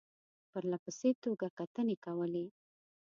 پرله پسې توګه کتنې کولې.